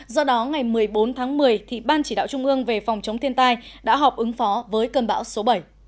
do đó ngày một mươi bốn tháng một mươi ban chỉ đạo trung ương về phòng chống thiên tai đã họp ứng phó với cơn bão số bảy